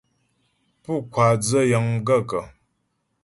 Pú ŋkwáa dzə́ yəŋ gaə̂kə̀ ?